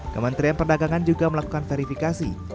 kementerian perdagangan juga melakukan verifikasi